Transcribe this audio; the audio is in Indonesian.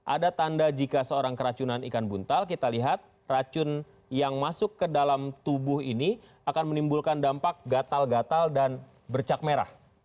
ada tanda jika seorang keracunan ikan buntal kita lihat racun yang masuk ke dalam tubuh ini akan menimbulkan dampak gatal gatal dan bercak merah